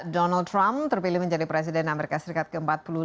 donald trump terpilih menjadi presiden amerika serikat ke empat puluh lima